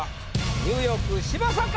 ニューヨーク嶋佐か？